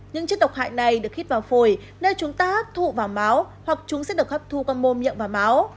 những chất độc hại này được khít vào phổi nơi chúng ta hấp thụ vào máu hoặc chúng sẽ được hấp thu qua mô nhậm và máu